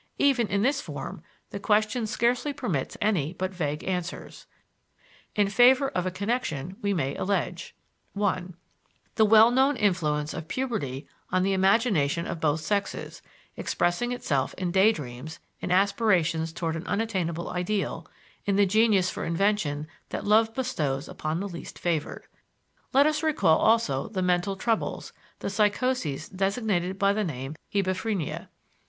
Even in this form the question scarcely permits any but vague answers. In favor of a connection we may allege: (1) The well known influence of puberty on the imagination of both sexes, expressing itself in day dreams, in aspirations toward an unattainable ideal, in the genius for invention that love bestows upon the least favored. Let us recall also the mental troubles, the psychoses designated by the name hebephrenia.